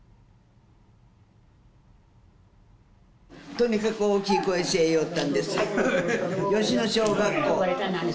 とにかく大きい声せえ言いよったんです吉野小学校